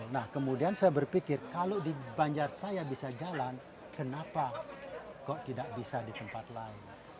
nah kemudian saya berpikir kalau di banjar saya bisa jalan kenapa kok tidak bisa di tempat lain